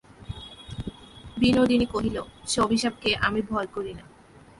বিনোদিনী কহিল, সে অভিশাপকে আমি ভয় করি না।